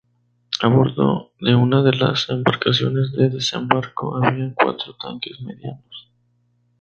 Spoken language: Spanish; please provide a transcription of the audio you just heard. A bordo de una de las embarcaciones de desembarco había cuatro tanques medianos.